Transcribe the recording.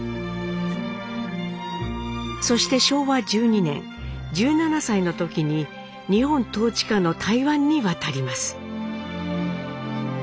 そして昭和１２年１７歳の時に日本統治下の台湾に渡ります。